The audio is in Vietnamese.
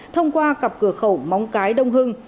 thông qua cặp cửa khẩu móng cái đông hưng